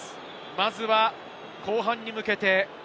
まずは後半に向けて